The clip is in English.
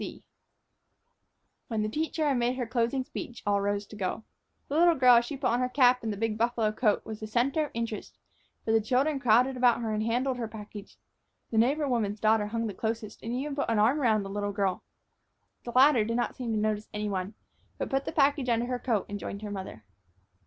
S. C." When the teacher had made her closing speech, all rose to go. The little girl, as she put on her cap and the big buffalo coat, was the center of interest, for the children crowded about her and handled her package. The neighbor woman's daughter hung the closest, and even put one arm around the little girl. The latter did not seem to notice any one, but put the package under her coat and joined her mother.